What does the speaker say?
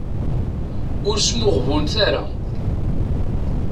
Ur smuɣbunet ara.